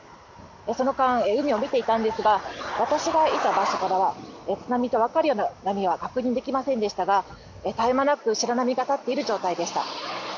その間、海を見ていたんですが私がいた場所からは津波とわかるような波は確認できませんでしたが絶え間なく白波が立っている状態でした。